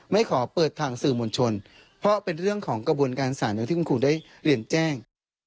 ขอเปิดทางสื่อมวลชนเพราะเป็นเรื่องของกระบวนการสารอย่างที่คุณครูได้เรียนแจ้ง